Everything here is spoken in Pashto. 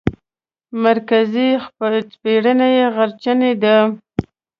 مرکزي څېره یې غرڅنۍ ده.